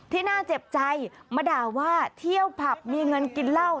น่าเจ็บใจมาด่าว่าเที่ยวผับมีเงินกินเหล้า